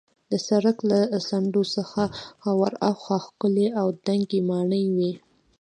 د سړک له څنډو څخه ورهاخوا ښکلې او دنګې ماڼۍ وې.